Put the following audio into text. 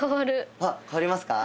あっ変わりますか？